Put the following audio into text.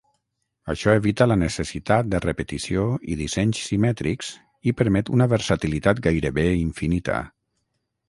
Això evita la necessitat de repetició i dissenys simètrics i permet una versatilitat gairebé infinita.